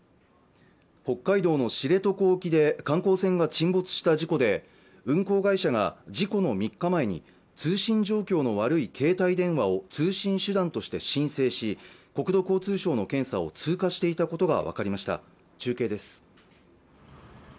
北海道の知床沖で観光船が沈没した事故で運航会社が事故の３日前に通信状況の悪い携帯電話を通信手段として申請し国土交通省の検査を通過していたことが分かりました中継です